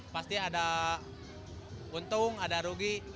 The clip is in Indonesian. pasti ada untung ada rugi